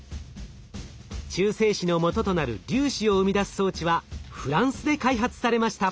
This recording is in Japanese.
中性子のもととなる粒子を生み出す装置はフランスで開発されました。